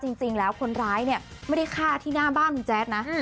จริงแล้วคนร้ายเนี่ยไม่ได้ฆ่าที่หน้าบ้านคุณแจ๊ดนะ